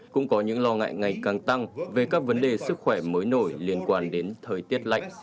cũng có những lo ngại ngày càng tăng về các vấn đề sức khỏe mới nổi liên quan đến thời tiết lạnh